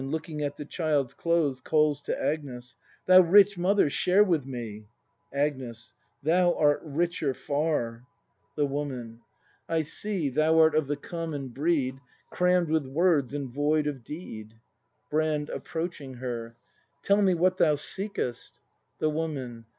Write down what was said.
[Looking at the child's clothes, calls to Agnes.] Thou rich mother, share with me! Agnes. Thou art richer far! ACT IV] BRAND 201 The Woman. I see, Thou art of the common breed, Cramm'd with words, and void of deed. Brand. [Approaching her.] Tell me what thou seekest. * The Woman.